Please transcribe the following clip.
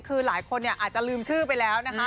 คือหลายคนอาจจะลืมชื่อไปแล้วนะคะ